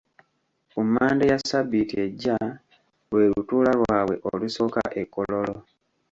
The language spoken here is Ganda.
Ku Mmande ya ssabbiiti ejja lwe lutuula lwabwe olusooka e Kololo.